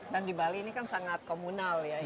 dan di bali ini kan sangat komunal ya ini masyarakatnya